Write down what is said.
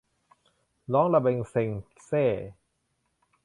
ร้องระเบ็งเซ็งแซ่